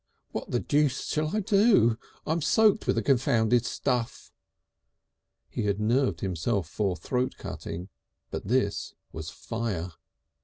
"What the Deuce shall I do? I'm soaked with the confounded stuff!" He had nerved himself for throat cutting, but this was fire!